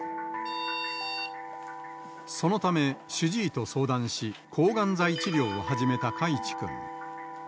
そのため、主治医と相談し、抗がん剤治療を始めた海智君。